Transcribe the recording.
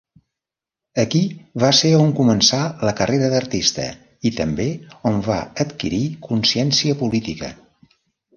Aquí va ser on començà la carrera d'artista i també on va adquirir consciència política.